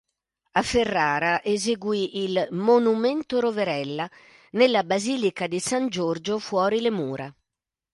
A Ferrara eseguì il "Monumento Roverella" nella basilica di San Giorgio fuori le mura.